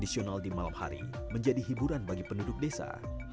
seperti memperingati hari jadi desa